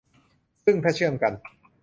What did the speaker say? ซึ่งถ้าเชื่อมกัน